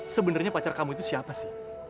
sebenarnya pacar kamu itu siapa sih